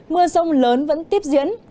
mưa sông lớn vẫn tiếp diễn